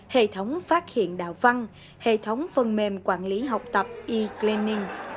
hệ thống phát hiện đạo văn hệ thống phần mềm quản lý học tập e cleaning